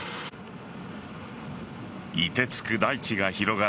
凍てつく大地が広がる